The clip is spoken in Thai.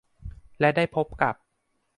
และได้พบกับ